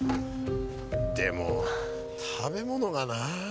でも食べ物がな。